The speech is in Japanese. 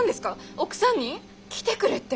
奥さんに！？来てくれって！？